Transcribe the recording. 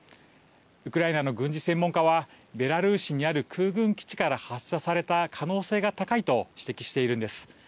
ウクライナの軍事専門家はベラルーシにある空軍基地から発射された可能性が高いと指摘しているんです。